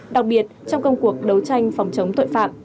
đặc biệt trong công cuộc đấu tranh phòng chống tội phạm